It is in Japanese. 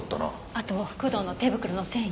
あと工藤の手袋の繊維。